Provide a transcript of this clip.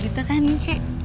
gitu kan ki